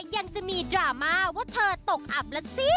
ยังมีดราม่าว่าเธอตกอับแล้วสิ